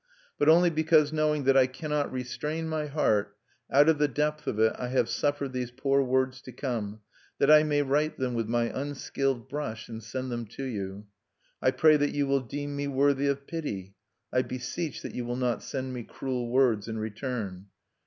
But only because knowing that I cannot restrain my heart, out of the depth of it I have suffered these poor words to come, that I may write them with my unskillful brush, and send them to you. I pray that you will deem me worthy of pity; I beseech that you will not send me cruel words in return.